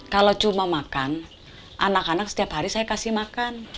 kalau cuma makan anak anak setiap hari saya kasih makan